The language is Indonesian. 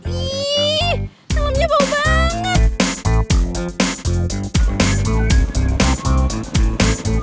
ih kelemnya bau banget